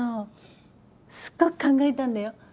すっごく考えたんだよ。